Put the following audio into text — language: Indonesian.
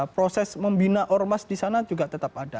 proses membina ormas di sana juga tetap ada